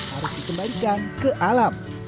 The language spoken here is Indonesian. harus dikembalikan ke alam